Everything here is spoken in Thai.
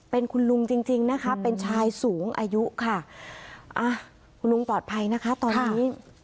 เป็นคุณลุงจริงจริงนะคะเป็นชายสูงอายุค่ะอ่ะคุณลุงปลอดภัยนะคะตอนนี้